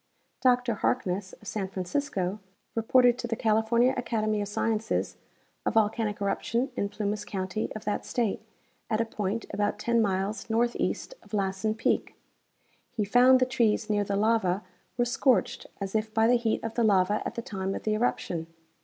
Dr Harkness, of San Francisco, reported to the California Academy of Sciences a volcanic eruption in Plumas county of that state, at a point about ten miles northeast of Lassen peak. He found the trees near the lava were scorched as if by the heat of the lava at the time of the eruption.